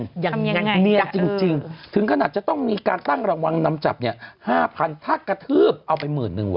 ยังไงเนียนจริงถึงขนาดจะต้องมีการตั้งรางวัลนำจับเนี่ย๕๐๐ถ้ากระทืบเอาไปหมื่นนึงว่